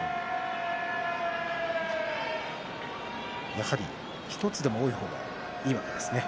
やはり１つでも多い方がいいわけですね。